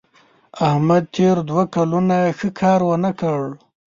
احمد تېر دوه کلونه ښه کار ونه کړ.